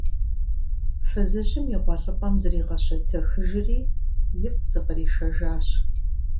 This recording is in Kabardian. Фызыжьым и гъуэлъыпӀэм зригъэщэтэхыжри, ифӀ зыкъришэжащ.